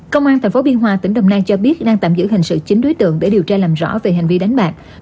công an tp biên hòa tỉnh đồng nai cho biết đang tạm giữ hình sự chín đối tượng để điều tra làm rõ về hành vi đánh bạc